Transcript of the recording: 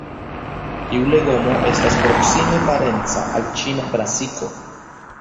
Tiu legomo estas proksime parenca al ĉina brasiko.